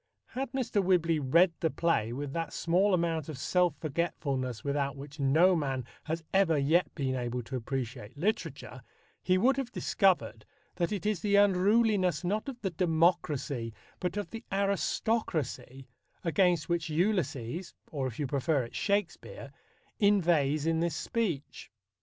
Had Mr. Whibley read the play with that small amount of self forgetfulness without which no man has ever yet been able to appreciate literature, he would have discovered that it is the unruliness not of the democracy but of the aristocracy against which Ulysses or, if you prefer it, Shakespeare inveighs in this speech.